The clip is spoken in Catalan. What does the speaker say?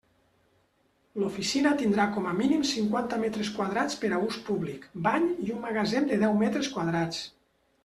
L'oficina tindrà com a mínim cinquanta metres quadrats per a ús públic, bany i un magatzem de deu metres quadrats.